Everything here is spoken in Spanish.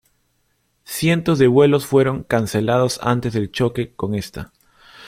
Cientos de vuelos fueron cancelados antes del choque con esta.